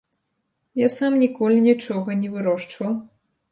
Я сам ніколі нічога не вырошчваў.